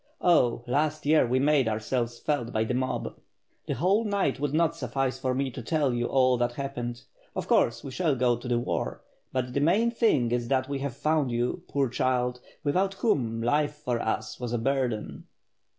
Oh, last year we made ourselves felt by that mob. The whole night would not suffice for me to tell you all that happened. Of course, we shall go to the war, but the main thing is that we have found you, poor child, without whom life for us was a burden."